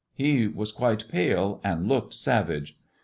He was quite pale, and looked savage.